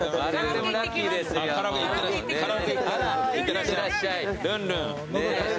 いってらっしゃい。